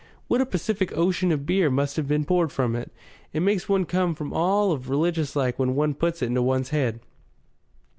what a Pacific Ocean of beer must have been poured from it! It makes one come over all of religious like when one puts it to one's head."